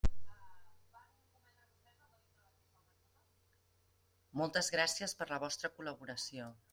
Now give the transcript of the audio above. Moltes gràcies per la vostra col·laboració.